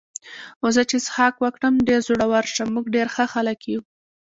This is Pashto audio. خو زه چې څښاک وکړم ډېر زړور شم، موږ ډېر ښه خلک یو.